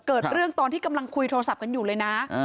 เกิดเรื่องตอนที่กำลังคุยโทรศัพท์กันอยู่เลยนะ